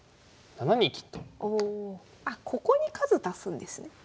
あっここに数足すんですね。